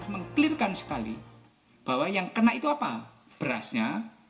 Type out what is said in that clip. meng clearkan sekali bahwa yang kena itu apa berasnya